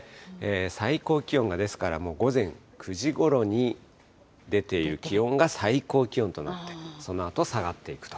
最高気温が、ですから午前９時ごろに出ている気温が最高気温となって、そのあと下がっていくと。